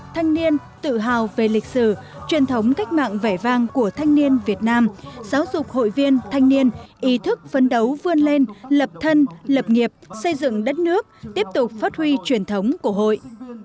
thanh niên tự hào về lịch sử truyền thống cách mạng vẻ vang của thanh niên việt nam giáo dục hội viên thanh niên ý thức phấn đấu vươn lên lập thân lập nghiệp xây dựng đất nước tiếp tục phát huy truyền thống của hội